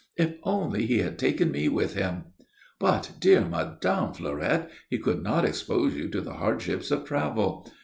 "If only he had taken me with him!" "But, dear Mme. Fleurette, he could not expose you to the hardships of travel.